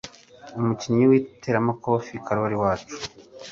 Umukinnyi w'iteramakofe karori wacu